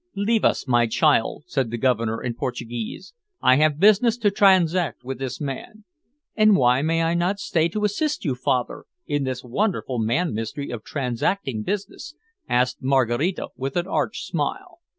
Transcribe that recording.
"Leave us, my child," said the Governor, in Portuguese; "I have business to transact with this man." "And why may not I stay to assist you, father, in this wonderful man mystery of transacting business?" asked Maraquita, with an arch smile.